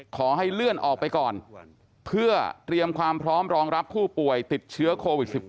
ขอให้เลื่อนออกไปก่อนเพื่อเตรียมความพร้อมรองรับผู้ป่วยติดเชื้อโควิด๑๙